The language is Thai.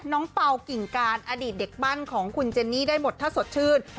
เป่ากิ่งการอดีตเด็กปั้นของคุณเจนนี่ได้หมดถ้าสดชื่น